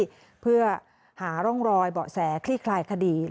ไปเพื่อหาร่องรอยเบาะแสคลี่คลายคดี